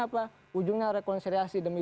apa ujungnya rekonsiliasi demi